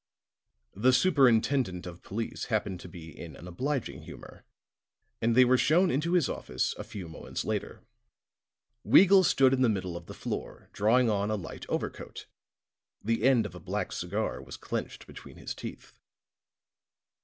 The superintendent of police happened to be in an obliging humor, and they were shown into his office a few moments later. Weagle stood in the middle of the floor, drawing on a light over coat; the end of a black cigar was clenched between his teeth.